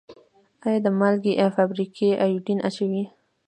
آیا د مالګې فابریکې ایوډین اچوي؟